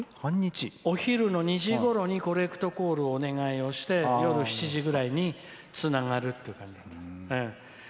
お昼の２時ごろにコレクトコールをお願いをして、夜７時ぐらいにつながるっていう感じ。